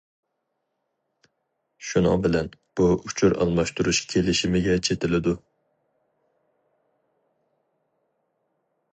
شۇنىڭ بىلەن بۇ ئۇچۇر ئالماشتۇرۇش كېلىشىمىگە چېتىلىدۇ.